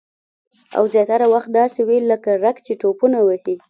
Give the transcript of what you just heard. او زیاتره وخت داسې وي لکه رګ چې ټوپونه وهي